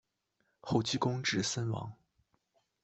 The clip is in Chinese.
后积功至森王。